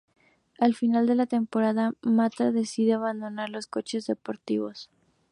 Al final de la temporada, Matra decide abandonar los coches deportivos.